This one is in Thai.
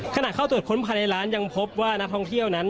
ขณะเข้าตรวจค้นภายในร้านยังพบว่านักท่องเที่ยวนั้น